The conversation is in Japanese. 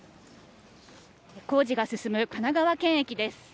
工事が進む神奈川県駅です。